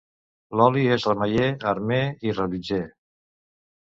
L'oli és remeier, armer i rellotger.